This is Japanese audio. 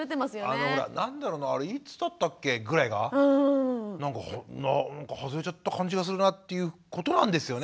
あのほら何だろないつだったっけ？ぐらいがなんか外れちゃった感じがするなっていうことなんですよね。